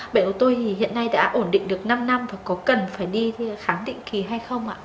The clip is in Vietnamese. bệnh của tôi thì hiện nay đã ổn định được năm năm và có cần phải đi khám định kỳ hay không ạ